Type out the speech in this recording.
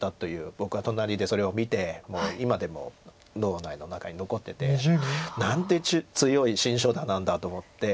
僕は隣でそれを見てもう今でも脳内の中に残ってて。なんて強い新初段なんだと思って。